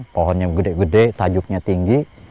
pohonnya gede gede tajuknya tinggi